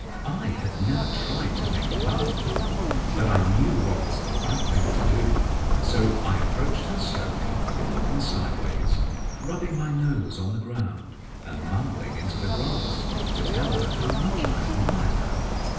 ] I had never tried to make love before, but I knew what was the right thing to do; so I approached her slowly, walking sideways, rubbing my nose on the ground, and mumbling into the grass to tell her how much I admired her.